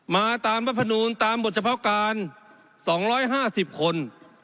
มาตามประผนูนตามบทเฉพาะการสองร้อยห้าสิบคน